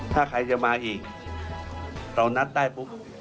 ถ้าใครจะมาอีกเรานัดได้ปุ๊บ